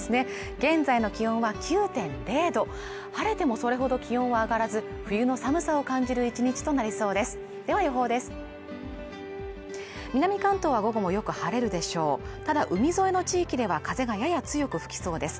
現在の気温は９．０度、晴れてもそれほど気温は上がらず冬の寒さを感じる１日となりそうです